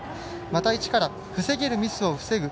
また一から防げるミスを防ぐ。